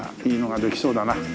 いいのができそうだな。